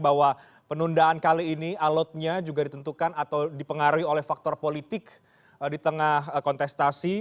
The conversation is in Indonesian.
bahwa penundaan kali ini alotnya juga ditentukan atau dipengaruhi oleh faktor politik di tengah kontestasi